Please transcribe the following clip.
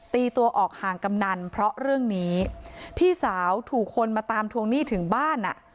ตีตัวออกห่างกำนันเพราะเรื่องนี้พี่สาวถูกคนมาตามทวงหนี้ถึงบ้านอ่ะ